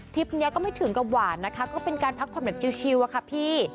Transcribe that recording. นี้ก็ไม่ถึงกับหวานนะคะก็เป็นการพักผ่อนแบบชิลอะค่ะพี่